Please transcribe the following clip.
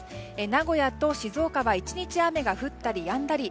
名古屋と静岡は１日雨が降ったりやんだり。